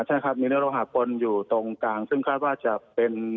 ใช่ครับมีเนื้อโลหะปนอยู่ตรงกลางซึ่งคาดว่าจะเป็น